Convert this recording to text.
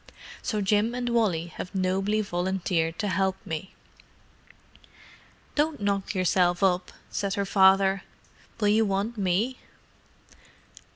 So Jim and Wally have nobly volunteered to help me." "Don't knock yourself up," said her father. "Will you want me?"